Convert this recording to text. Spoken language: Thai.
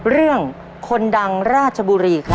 เรื่องคนดังราชบุรีครับ